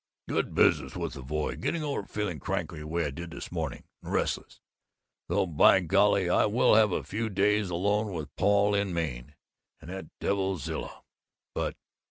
"Good visit with the boy. Getting over feeling cranky, way I did this morning. And restless. Though, by golly, I will have a few days alone with Paul in Maine!... That devil Zilla!... But....